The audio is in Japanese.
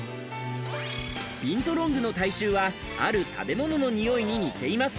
ビントロングの体臭は、ある食べ物の匂いに似ています。